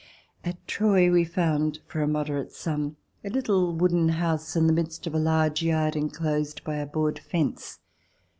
At Troy, we found for a moderate sum, a little wooden house in the midst of a large yard, enclosed by a board fence.